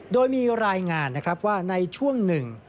โดยมีรายงานนะครับว่าในช่วงหนึ่ง